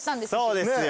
そうですよ。